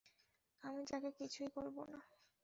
আমি তাকে কিছুই করবো না।